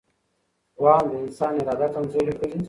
وهم د انسان اراده کمزورې کوي.